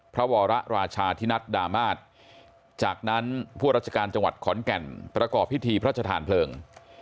พระวรราชาธินัทดามาศจากนั้นผู้ราชการจังหวัดขอนแก่นประกอบพิธีพระชธานเพลิง